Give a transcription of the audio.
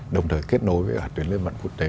đồng thời kết nối với tuyến liên vận quốc tế